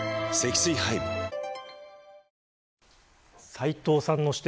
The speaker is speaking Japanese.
斎藤さんの指摘